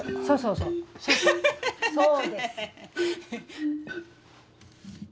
そうそう。